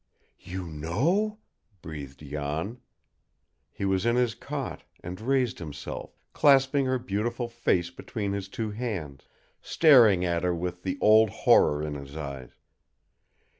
"You know!" breathed Jan. He was in his cot, and raised himself, clasping her beautiful face between his two hands, staring at her with the old horror in his eyes.